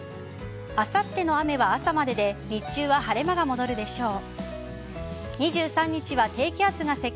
あさっての雨は朝までで日中は晴れ間が戻るでしょう。